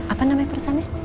apa namanya perusahaannya